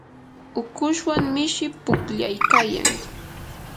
ukushwan mishi pukllaykayan.